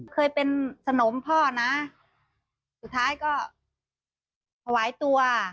เคยเป็นสนมพ่อนะสุดท้ายก็ถวายตัว